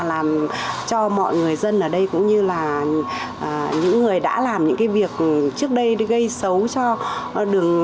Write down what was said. làm cho mọi người dân ở đây cũng như là những người đã làm những cái việc trước đây gây xấu cho đường